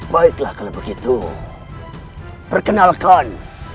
baiklah kalau begitu perkenalkan